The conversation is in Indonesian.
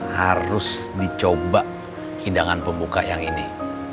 harus dicoba hidangan pembuka yang ini